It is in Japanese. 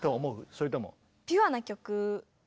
それとも。